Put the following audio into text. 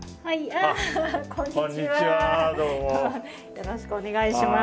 よろしくお願いします。